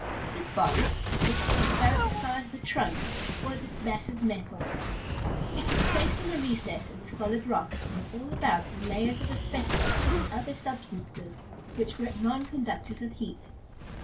This box, which was about the size of a trunk, was of massive metal. It was placed in a recess in the solid rock, and all about were layers of asbestos and other substances that were nonconductors of heat.